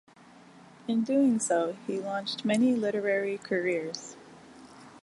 In doing so, he launched many literary careers.